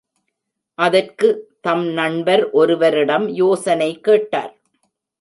அதற்கு தம் நண்பர் ஒருவரிடம் யோசனை கேட்டார்.